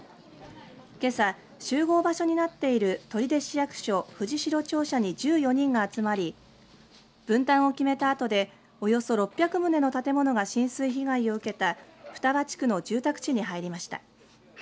けさ集合場所になっている取手市役所藤代庁舎に１４人が集まり分担を決めたあとでおよそ６００棟の建物が浸水被害を受けた双葉地区の住宅地に入りました。